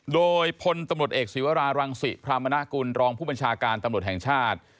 โดยพลตำรวจเอกศิวรารังศิพรามณกุลรองผู้บัญชาการตำรวจแห่งชาติ